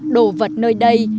đồ vật nơi đây